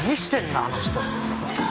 あの人。